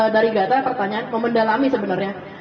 dari gata pertanyaan mau mendalami sebenarnya